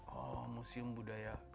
oh museum budaya